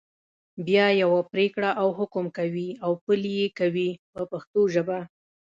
بیا یوه پرېکړه او حکم کوي او پلي یې کوي په پښتو ژبه.